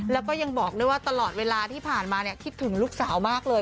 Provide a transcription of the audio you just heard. แล้วก็ยังบอกด้วยว่าตลอดเวลาที่ผ่านมาเนี่ยคิดถึงลูกสาวมากเลย